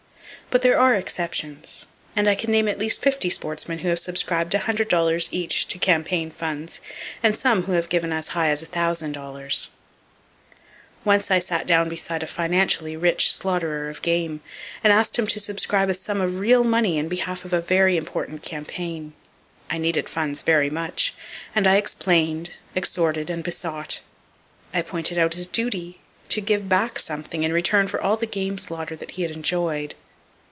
But there are exceptions; and I can name at least fifty sportsmen who have subscribed $100 each to campaign funds, and some who have given as high as $1,000. Once I sat down beside a financially rich slaughterer of game, and asked him to subscribe a sum of real money in behalf of a very important campaign. I needed funds very much; and I explained, exhorted and besought. I pointed out his duty—to give back something in return for all the game slaughter that he had enjoyed.